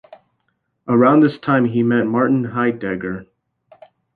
Around this time he met Martin Heidegger.